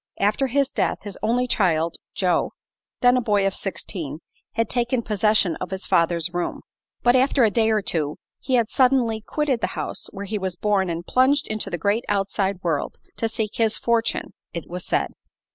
After his death his only child, Joe, then a boy of sixteen, had taken possession of his father's room; but after a day or two he had suddenly quitted the house where he was born and plunged into the great outside world to seek his fortune, it was said.